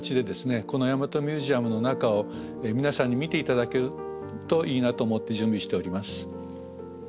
この大和ミュージアムの中を皆さんに見て頂けるといいなと思って準備しております。